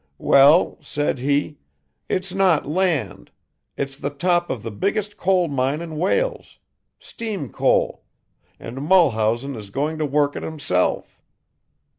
'Well,' said he, 'it's not land, it's the top of the biggest coal mine in Wales, steam coal, and Mulhausen is going to work it himself.